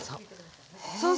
そう。